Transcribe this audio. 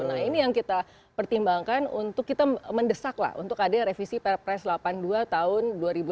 nah ini yang kita pertimbangkan untuk kita mendesaklah untuk ada revisi perpres delapan puluh dua tahun dua ribu delapan belas